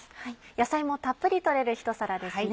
野菜もたっぷり取れるひと皿ですね。